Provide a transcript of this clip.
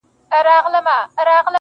پلار یې وښوروی سر و یې خندله,